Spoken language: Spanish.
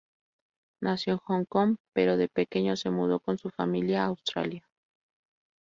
Nació en Hong Kong, pero de pequeño se mudó con su familia a Australia.